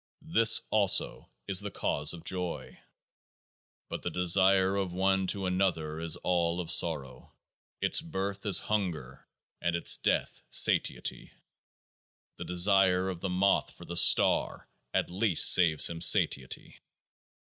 This also is the cause of joy. But the desire of one to another is all of sorrow ; its birth is hunger, and its death satiety. The desire of the moth for the star at least saves him satiety.